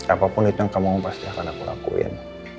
apapun itu yang kamu pasti akan aku lakuin